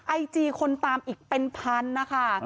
ไอจีคนตามอีกเป็นพันนะคะ